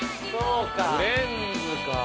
『フレンズ』か。